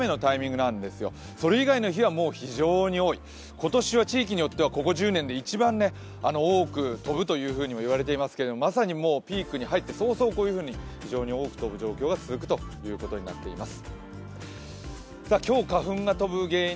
今年は地域によってはここ１０年で一番多く飛ぶといわれていますがまさにもうピークに入って早々、非常にこういうふうに多く飛ぶ状況が続くということになっています。